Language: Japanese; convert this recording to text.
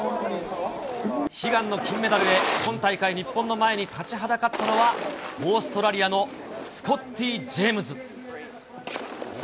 悲願の金メダルへ、今大会、日本の前に立ちはだかったのは、オーストラリアのスコッティ・ジェームズ。